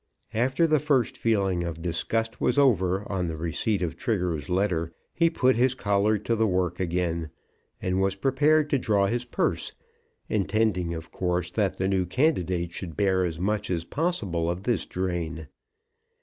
After the first feeling of disgust was over on the receipt of Trigger's letter, he put his collar to the work again, and was prepared to draw his purse, intending, of course, that the new candidate should bear as much as possible of this drain.